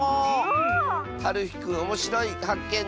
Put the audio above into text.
はるひくんおもしろいはっけん